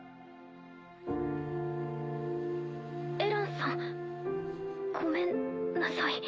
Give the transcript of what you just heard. エランさんごめんなさい。